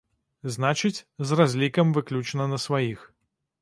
Значыць, з разлікам выключна на сваіх.